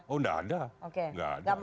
oh nggak ada